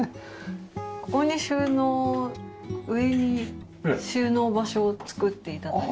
ここに収納上に収納場所を作って頂いて。